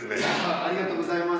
ありがとうございます。